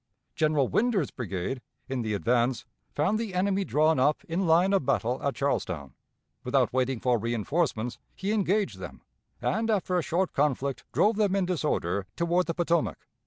General Winder's brigade in the advance found the enemy drawn up in line of battle at Charlestown. Without waiting for reënforcements, he engaged them, and after a short conflict drove them in disorder toward the Potomac.